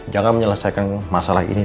jangan menyelesaikan masalah ini